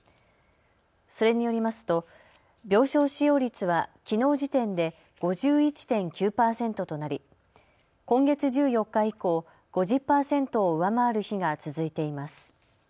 それによりますと病床使用率はきのう時点で５１．９％となり今月１４日以降、５０％を上回る日が続いています。